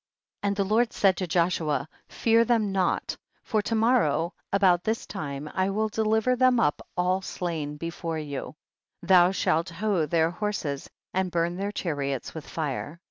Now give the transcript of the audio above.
42. And the Lord said to Joshua, fear them not, for to morrow about this time I will deliver them up all slain before you, thou shall hough their horses and burn their chariots with fire.